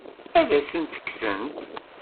Ad asent-tt-kksent?